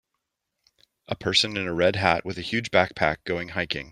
A person in a red hat with a huge backpack going hiking.